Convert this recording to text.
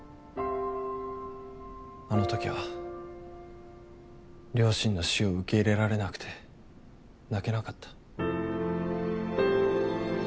あの時は両親の死を受け入れられなくて泣けなかった。